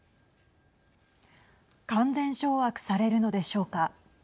完全掌握されるのでしょうか。